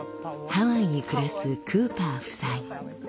ハワイに暮らすクーパー夫妻。